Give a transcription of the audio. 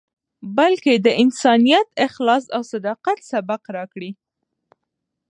بلکې د انسانیت، اخلاص او صداقت، سبق راکړی.